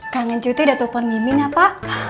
kangen cuy udah telfon mimin apa